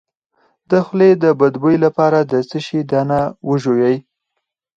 د خولې د بد بوی لپاره د څه شي دانه وژويئ؟